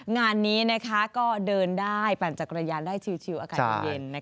งานนี้ก็เดินได้ปั่นจักรยานได้ชิวอากาศเย็น